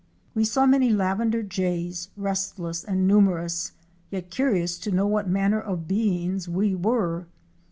We saw many Lavender Jays ™ restless and numerous, yet curious to know what manner of beings we were.